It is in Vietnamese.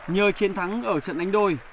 nhờ chiến thắng ở trận đánh đôi